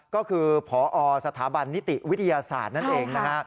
ก็คือพอสถาบันนิติวิทยาศาสตร์นั่นเองนะฮะ